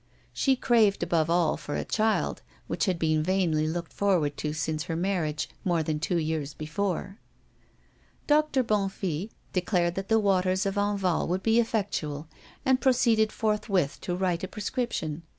She craved above all for a child, which had been vainly looked forward to since her marriage, more than two years before. Doctor Bonnefille declared that the waters of Enval would be effectual, and proceeded forthwith to write a prescription.